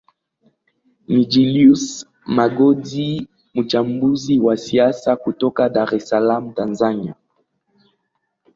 ni julius magodi mchambuzi wa siasa kutoka dar es salam tanzania